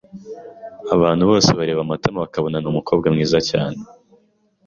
Abantu bose bareba Matama bakabona ni umukobwa mwiza cyane.